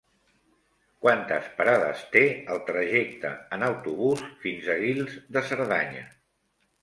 Quantes parades té el trajecte en autobús fins a Guils de Cerdanya?